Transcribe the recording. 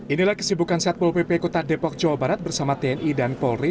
inilah kesibukan satpol pp kota depok jawa barat bersama tni dan polri